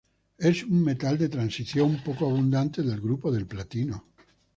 Es un metal de transición, poco abundante, del grupo del platino.